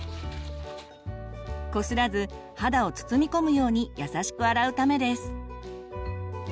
こすらず肌を包みこむようにやさしく洗うためです。